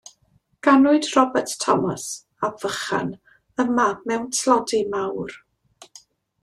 Ganwyd Robert Thomas, Ap Vychan, yma mewn tlodi mawr.